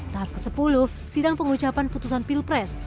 tahap kesepuluh sidang pengucapan putusan pilpres